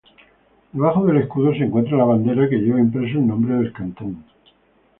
Debajo del Escudo se encuentra la bandera, que lleva impreso el nombre del cantón.